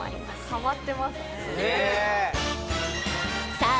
ハマってますねさあ